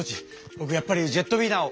ぼくやっぱりジェットウィナーを。